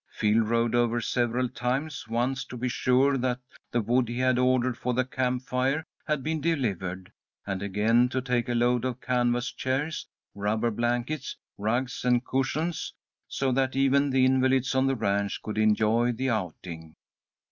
Phil rode over several times; once to be sure that the wood he had ordered for the camp fire had been delivered, and again to take a load of canvas chairs, rubber blankets, rugs, and cushions, so that even the invalids on the ranch could enjoy the outing.